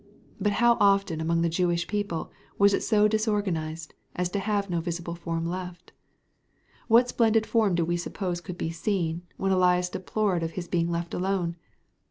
But how often among the Jewish people was it so disorganized, as to have no visible form left? What splendid form do we suppose could be seen, when Elias deplored his being left alone?